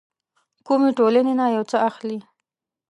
کومې ټولنې نه يو څه اخلي.